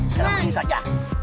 sekarang gini saja